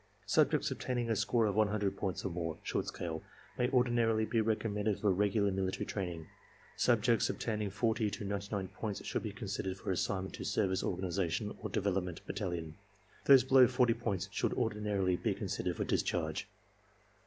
Subjects obtaining a score of 100 points or more (short scale) may ordinarily be recommended for regular military training; subjects obtaining 40 to 99 points should be considered for assignment to service organization or Development Battalion; those below 40 points should ordinarily be considered for discharge.